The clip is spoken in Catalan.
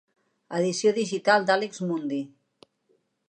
Edició digital d'Alex Mundy.